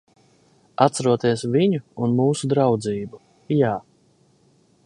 Atceroties viņu un mūsu draudzību. Jā.